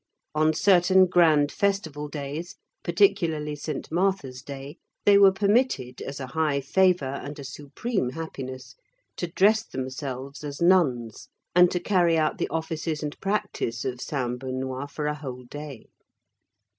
On certain grand festival days, particularly Saint Martha's day, they were permitted, as a high favor and a supreme happiness, to dress themselves as nuns and to carry out the offices and practice of Saint Benoît for a whole day.